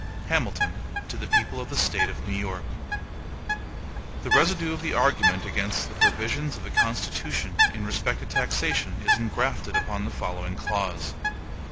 HAMILTON To the People of the State of New York: THE residue of the argument against the provisions of the Constitution in respect to taxation is ingrafted upon the following clause.